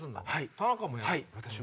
田中もやる？